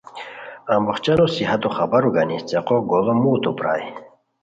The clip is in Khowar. امبوخچانو صحتو خبار و گانی څیقو گوڑو موڑتو پرائے